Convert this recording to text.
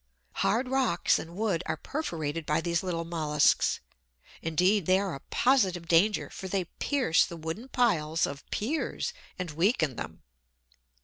Hard rocks and wood are perforated by these little molluscs. Indeed, they are a positive danger, for they pierce the wooden piles of piers, and weaken them.